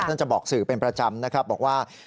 ท่านจะบอกสื่อเป็นประจำนะครับบอกว่า